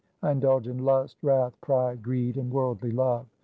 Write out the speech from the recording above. I indulge in lust, wrath, pride, greed, and worldly love.